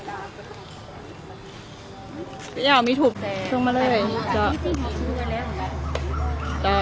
อ้าวมีถุบส่งมาเลยจ้าว